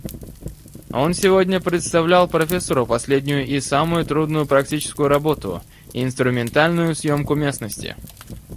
Он сегодня представлял профессору последнюю и самую трудную практическую работу — инструментальную съемку местности...